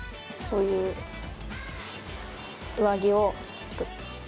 こういう上着を作って。